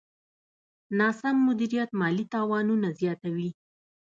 ناسم مدیریت مالي تاوان زیاتوي.